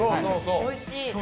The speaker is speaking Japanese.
おいしい。